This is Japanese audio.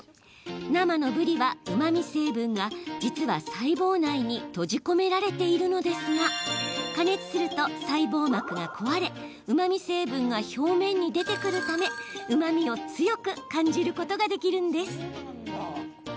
生のぶりは、うまみ成分が実は、細胞内に閉じ込められているのですが加熱すると細胞膜が壊れうまみ成分が表面に出てくるためうまみを強く感じることができるんです。